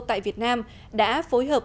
tại việt nam đã phối hợp